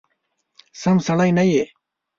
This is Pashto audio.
سم سړی نه یې !